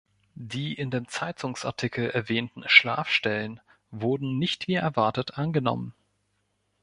Die in dem Zeitungsartikel erwähnten Schlafstellen wurden nicht wie erwartet angenommen.